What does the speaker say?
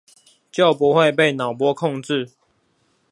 就不會被腦波控制